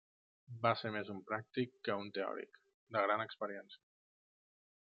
Va ser més un pràctic que un teòric, de gran experiència.